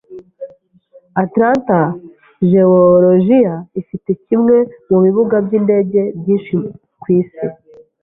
Atlanta, Jeworujiya ifite kimwe mu bibuga byindege byinshi ku isi.